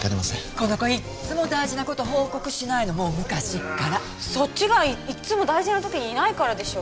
この子いっつも大事なこと報告しないのもう昔っからそっちがいっつも大事な時にいないからでしょ